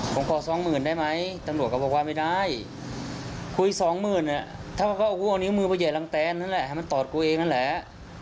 ผมขอสองหมื่นได้ไหมตำรวจก็บอกว่าไม่ได้คุยสองหมื่นเนี่ยถ้าว่าเขาเอาหัวนิ้วมือไปใหญ่รังแตนนั่นแหละให้มันตอดกูเองนั่นแหละ